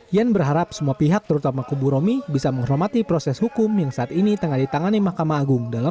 jan berharap semua pihak terutama kubu romi bisa menghormati proses hukum yang sedang diadakan